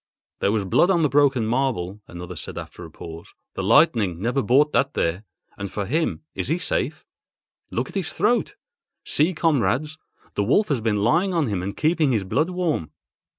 "There was blood on the broken marble," another said after a pause—"the lightning never brought that there. And for him—is he safe? Look at his throat! See, comrades, the wolf has been lying on him and keeping his blood warm."